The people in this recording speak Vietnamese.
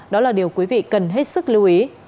đó là điều quý vị cần hết sức lưu ý